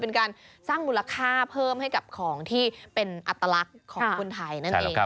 เป็นการสร้างมูลค่าเพิ่มให้กับของที่เป็นอัตลักษณ์ของคนไทยนั่นเอง